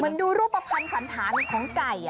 เหมือนดูรูปประพันธ์สันฐานของไก่